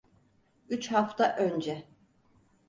Üç hafta önce.